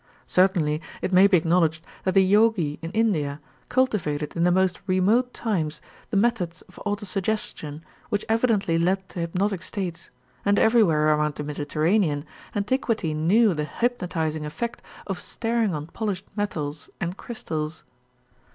Certainly it may be acknowledged that the Yogi in India cultivated in the most remote times the methods of autosuggestion which evidently led to hypnotic states, and everywhere around the Mediterranean, antiquity knew the hypnotizing effect of staring on polished metals and crystals.